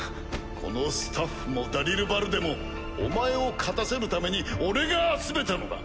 このスタッフもダリルバルデもお前を勝たせるために俺が集めたのだ。